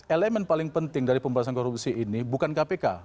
elemen paling penting dari pembahasan korupsi ini bukan kpk